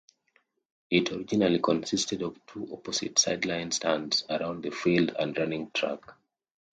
It originally consisted of two opposite sideline stands around the field and running track.